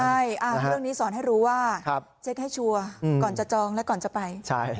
ใช่เรื่องนี้สอนให้รู้ว่าเช็คให้ชัวร์ก่อนจะจองและก่อนจะไป